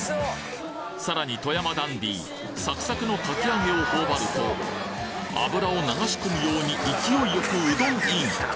さらに富山ダンディサクサクのかき揚げを頬張ると油を流し込むように勢いよくうどんイン！